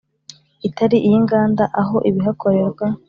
itari iy inganda aho ibihakorerwa